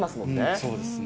そうですね。